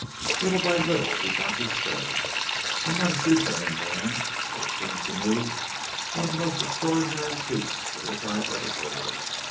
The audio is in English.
Little by little we got his story. I am not a seafaring man, but it seems to me one of the most extraordinary feats of which I have ever heard.